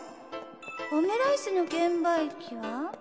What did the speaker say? オムライスの券売機は。